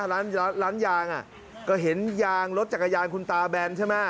ร้านร้านยางก็เห็นยางรถจักรยานคุณตาแบนใช่ไหม